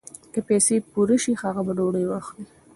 که پیسې پوره شي هغه به ډوډۍ واخلي.